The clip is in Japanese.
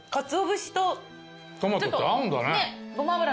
トマトと合うんだね。